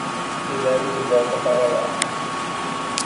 Me leve de volta para lá.